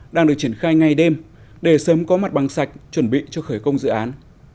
đang được triển khai ngay đêm để sớm có mặt bằng sạch chuẩn bị cho khởi công dự án